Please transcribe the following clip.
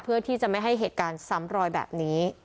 เพื่อที่จะไม่ให้เหตุการณ์ซ้ำรอยแบบนี้